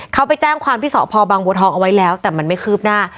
เขาไปแจ้งความที่สพบังบัวทองเอาไว้แล้วแต่มันไม่คืบหน้า